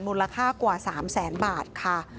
มูลค่ากว่า๓แสนบาทค่ะ